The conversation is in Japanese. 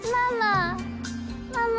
ママ！